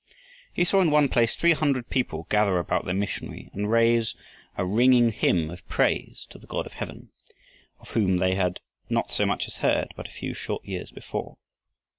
He saw in one place three hundred people gather about their missionary and raise a ringing hymn of praise to the God of heaven, of whom they had not so much as heard but a few short years before.